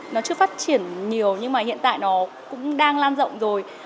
nó chưa phát triển nhiều nhưng mà hiện tại nó cũng đang lan rộng rồi